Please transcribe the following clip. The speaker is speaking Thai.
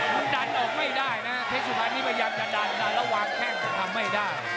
มันดันออกไม่ได้นะเพศุภัณฑ์นี้พยายามจะดันระหว่างแข้งจะทำไม่ได้